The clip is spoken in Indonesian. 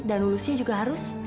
dan lulusnya juga harusnya